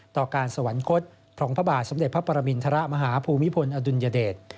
ต่อการสวรรคตของพระบาทสมเด็จพระปรมินทรมาฮภูมิพลอดุลยเดช